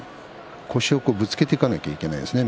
腰をぶつけていかなければいけないですね